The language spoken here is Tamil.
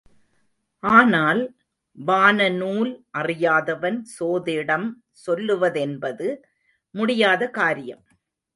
ஆனால் வானநூல் அறியாதவன் சோதிடம் சொல்லுவதென்பது முடியாத காரியம்.